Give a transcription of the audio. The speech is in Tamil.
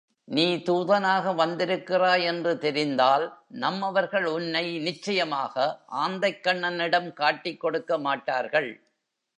நீ தூதனாக வந்திருக்கிறாய் என்று தெரிந்தால் நம்மவர்கள் உன்னை நிச்சயமாக ஆந்தைக்கண்ணனிடம் காட்டிக் கொடுக்க மாட்டார்கள்.